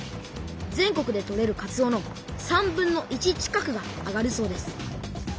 全国で取れるかつおの３分の１近くがあがるそうです。